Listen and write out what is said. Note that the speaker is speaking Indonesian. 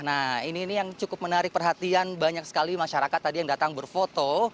nah ini yang cukup menarik perhatian banyak sekali masyarakat tadi yang datang berfoto